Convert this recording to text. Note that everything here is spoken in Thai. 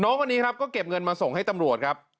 คนนี้ครับก็เก็บเงินมาส่งให้ตำรวจครับ